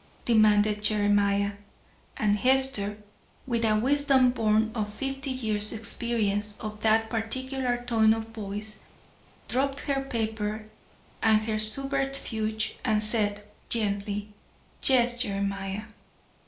demanded Jeremiah. And Hester, with a wisdom born of fifty years' experience of that particular tone of voice, dropped her paper and her subterfuge, and said gently: "Yes, Jeremiah."